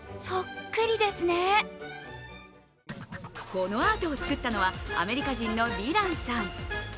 このアートを作ったのはアメリカ人のディランさん。